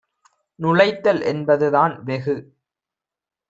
நுழைத்தல் என்பதுதான் - வெகு